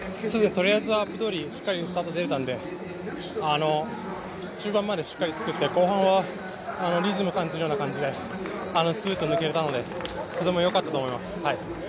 とりあえずはしっかりスタート出れたんで、中盤までしっかりつくって、後半はリズムを感じるような形ですーっと抜けれたのでとてもよかったと思います。